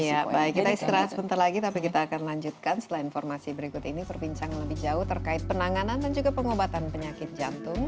ya baik kita istirahat sebentar lagi tapi kita akan lanjutkan setelah informasi berikut ini berbincang lebih jauh terkait penanganan dan juga pengobatan penyakit jantung